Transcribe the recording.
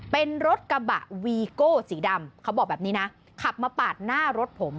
เป็นรถกระบะวีโก้สีดำเขาบอกแบบนี้นะขับมาปาดหน้ารถผม